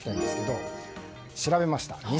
調べました。